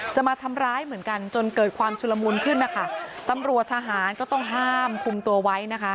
จะมาทำร้ายเหมือนกันจนเกิดความชุลมุนขึ้นนะคะตำรวจทหารก็ต้องห้ามคุมตัวไว้นะคะ